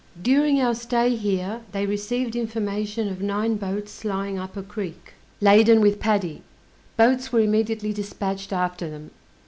During our stay here, they received information of nine boats lying up a creek, laden with paddy; boats were immediately dispatched after them.